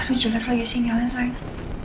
aduh jelek lagi sinyalnya sayang